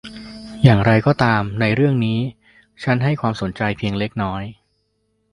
อย่างไรก็ตามในเรื่องนี้ฉันให้ความสนใจเพียงเล็กน้อย